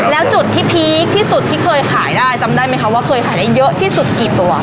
แล้วจุดที่พีคที่สุดที่เคยขายได้จำได้ไหมคะว่าเคยขายได้เยอะที่สุดกี่ตัว